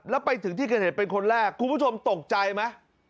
แล้วไปถึงที่เกิดเหตุเป็นคนแรกคุณผู้ชมตกใจไหม